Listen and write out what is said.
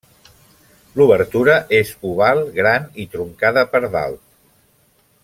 L'obertura és oval, gran i truncada per dalt.